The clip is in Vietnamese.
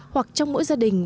hoặc trong mỗi gia đình